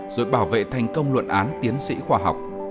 rồi bảo vệ thành công luận án tiến sĩ khoa học